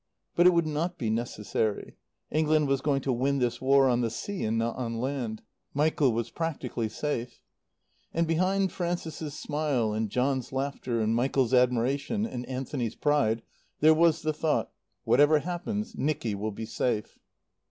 But it would not be necessary. England was going to win this War on the sea and not on land. Michael was practically safe. And behind Frances's smile, and John's laughter, and Michael's admiration, and Anthony's pride there was the thought: "Whatever happens, Nicky will he safe."